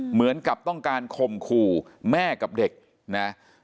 เหมือนกับต้องการคมขู่แม่กับเด็กนะ